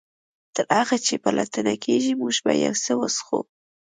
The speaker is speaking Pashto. تر هغه چې پلټنه کیږي موږ به یو څه وڅښو